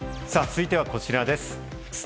続いてはこちらです。